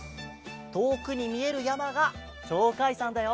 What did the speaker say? とおくにみえるやまが「ちょうかいさん」だよ。